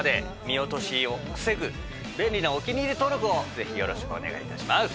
見落としを防ぐ便利なお気に入り登録をぜひよろしくお願いいたします。